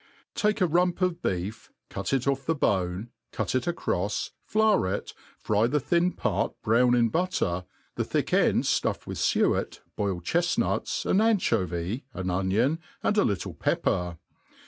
TAKE a rump of beef, cut it ofF the bone, cut it acroft, flour it,, fry the tbin part brown in butter, the thick end ftuff with fuet, boiled chefnuts,/an anchovy, an onion, and a Ittth pepper.